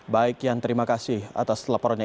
baik yan terima kasih atas laporannya